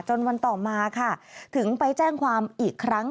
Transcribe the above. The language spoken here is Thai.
วันต่อมาค่ะถึงไปแจ้งความอีกครั้ง